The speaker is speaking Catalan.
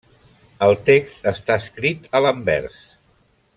El text està escrit a l'anvers.